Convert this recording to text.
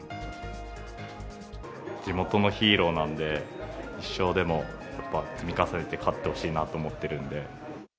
地元のヒーローなんで、一勝でも、やっぱ、積み重ねて勝ってほしいなと思ってるんで。